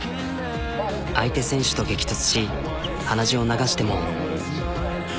相手選手と激突し鼻血を流しても。